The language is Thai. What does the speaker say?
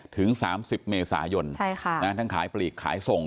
ถึงสามสิบเมษายนใช่ค่ะนะฮะทั้งขายปลีกขายส่ง